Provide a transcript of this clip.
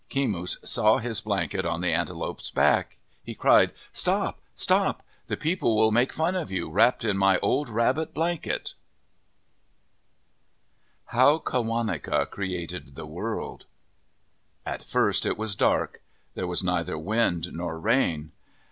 Kemush saw his blanket on the antelope's back. He cried, " Stop ! Stop ! The people will make fun of you, wrapped in my old rabbit blanket." MYTHS AND LEGENDS HOW QAWANECA CREATED THE WORLD A 1 first it was dark. There was neither wind nor rain.